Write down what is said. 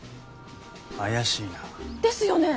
怪しいな。ですよね？